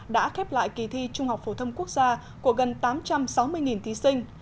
đã khép lại kỳ thi trung học phổ thông quốc gia của gần tám trăm sáu mươi thí sinh